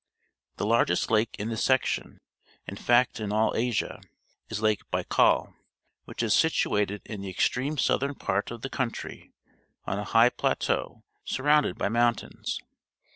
The largest lake in tliis section, in fact in all Asia, is Lake Baikal, which is situated in the extreme southern part of the country on a high plateau surrounded by mountains.